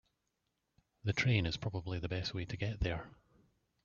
The train is probably the best way to get there.